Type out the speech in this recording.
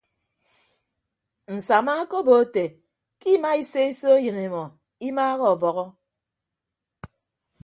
Nsama okobo ete ke ima ise iso eyịn emọ imaaha ọbọhọ.